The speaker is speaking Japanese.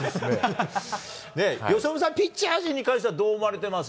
由伸さん、ピッチャー陣に関してはどう思われてます？